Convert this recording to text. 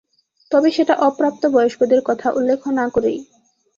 তবে সেটা অপ্রাপ্তবয়স্কদের কথা উল্লেখ না করেই।